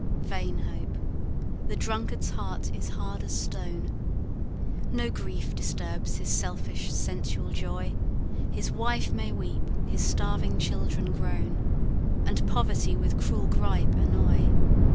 "Vain hope! the drunkard's heart is hard as stone, No grief disturbs his selfish, sensual joy; His wife may weep, his starving children groan, And Poverty with cruel gripe annoy.